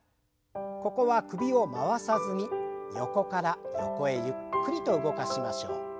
ここは首を回さずに横から横へゆっくりと動かしましょう。